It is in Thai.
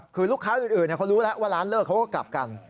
คือลูกค้าอื่นเขารู้แล้วว่าร้านเลิกเขาก็กลับกัน